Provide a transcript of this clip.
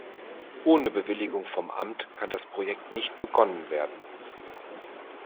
Ohne Bewilligung vom Amt kann das Projekt nicht begonnen werden.